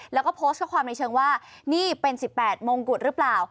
แล้วก็โพสต์ข้อความในเชิงว่านี่เป็น๑๘มงกุฎหรือเปล่า